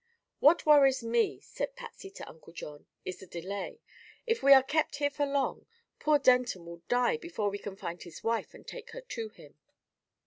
"What worries me," said Patsy to Uncle John, "is the delay. If we are kept here for long, poor Denton will die before we can find his wife and take her to him."